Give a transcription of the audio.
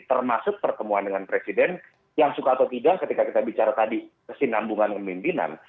termasuk pertemuan dengan presiden yang suka atau tidak ketika kita bicara tadi kesinambungan kemimpinan